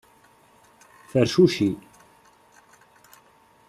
Fercuci.